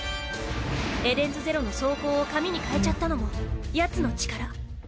エデンズゼロの装甲を紙に変えちゃったのもヤツの力。